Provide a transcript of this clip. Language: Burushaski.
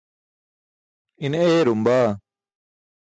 Ine eyarum baa.